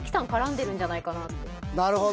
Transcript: なるほど。